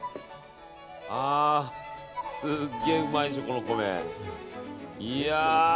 すっげえうまいでしょ、このお米。